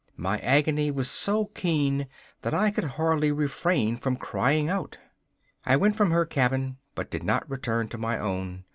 My agony was so keen that I could hardly refrain from crying out. I went from her cabin, but did not return to my own.